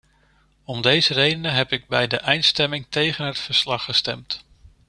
Om deze redenen heb ik bij de eindstemming tegen het verslag gestemd.